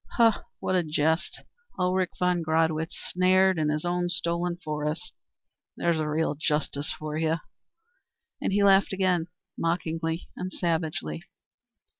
Ho, what a jest, Ulrich von Gradwitz snared in his stolen forest. There's real justice for you!" And he laughed again, mockingly and savagely.